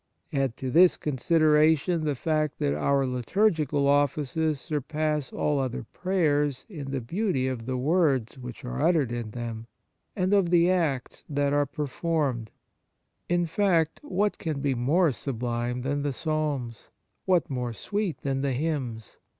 Add to this consideration the fact that our liturgical offices surpass all other prayers in the beauty of the 44 The Liturgical Offices words which are uttered in them, and of the acts that are performed. In fact, what can be more sublime than the Psalms ? what more sweet than the hymns